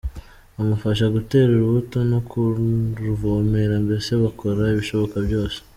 amufasha gutera urubuto no kuruvomerera mbese bakora ibishoboka byose.